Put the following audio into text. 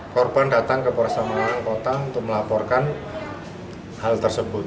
korban datang ke polresta mangan kota untuk melaporkan hal tersebut